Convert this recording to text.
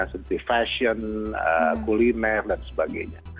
seperti fashion kuliner dan sebagainya